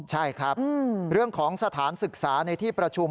ใช่ครับเรื่องของสถานศึกษาในที่ประชุม